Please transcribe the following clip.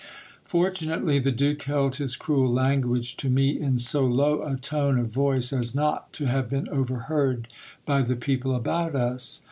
Fortunately the duke held his cruel language to me in so low a tone of voice as not to have been overheard by the people about us.